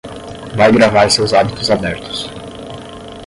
Vai gravar seus hábitos abertos